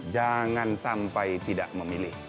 jangan sampai tidak memilih